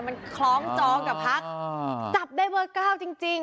มันคล้องจองกับพักจับได้เบอร์๙จริง